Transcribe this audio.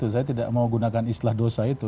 saya tidak mau gunakan istilah dosa itu